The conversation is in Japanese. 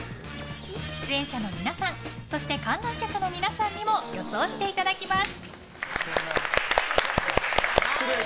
出演者の皆さんそして観覧客の皆さんにも予想していただきます。